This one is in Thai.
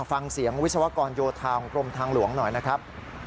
ฟังเสียงวิศวกรโยธาของกรมทางหลวงหน่อยนะครับ